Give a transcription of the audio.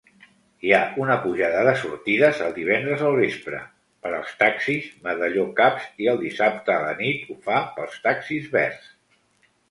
Hi ha un pujada de sortides el divendres al vespre per als taxis medalló cabs i el dissabte a la nit ho fa pels taxis verds.